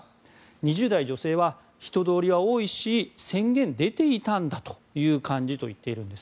２０代女性は人通りは多いし宣言出ていたんだという感じと言っているんです。